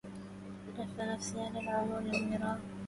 لهف نفسي على العيون المراض